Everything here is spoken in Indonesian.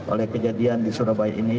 oleh kejadian di surabaya ini